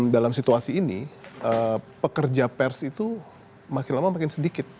dalam situasi ini pekerja pers itu makin lama makin sedikit